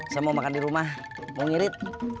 saya mau makan di rumah mau ngirit